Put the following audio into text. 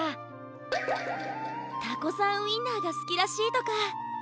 タコさんウインナーがすきらしいとか。